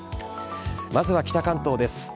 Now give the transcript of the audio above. まずは北関東です。